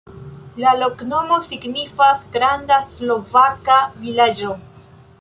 La loknomo signifas: granda-slovaka-vilaĝo.